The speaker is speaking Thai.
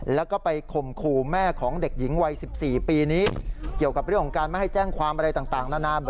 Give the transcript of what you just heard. แล้วก็ไปข่มขู่แม่ของเด็กหญิงวัย๑๔ปีนี้เกี่ยวกับเรื่องของการไม่ให้แจ้งความอะไรต่างนานา